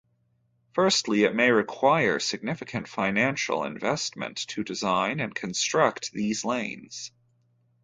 Firstly, it may require significant financial investment to design and construct these lanes.